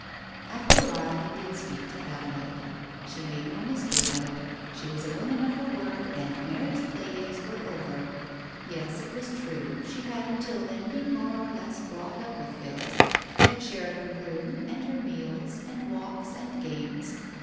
After a while he did speak to Adelaide. She made no mystery of it. She was a woman of her word, and Mary's play days were over. Yes, it was true, she had until then been more or less brought up with Phillis, had shared her room and her meals and walks and games.